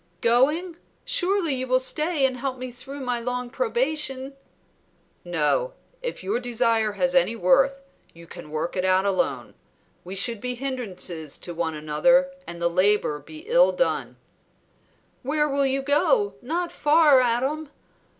"Going? Surely you will stay and help me through my long probation?" "No; if your desire has any worth you can work it out alone. We should be hindrances to one another, and the labor be ill done." "Where will you go? Not far, Adam."